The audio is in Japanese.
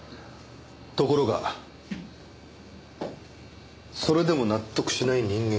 ところがそれでも納得しない人間が現れた。